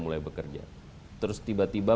mulai bekerja terus tiba tiba